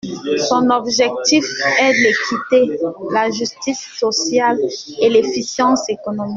Son objectif est l’équité, la justice sociale et l’efficience économique.